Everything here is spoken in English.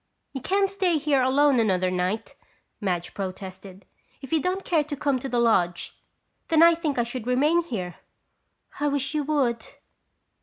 "You can't stay here alone another night," Madge protested. "If you don't care to come to the lodge, then I think I should remain here." "I wish you would!"